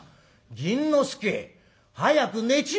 銀之助早く寝ちめえ」。